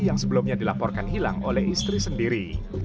yang sebelumnya dilaporkan hilang oleh istri sendiri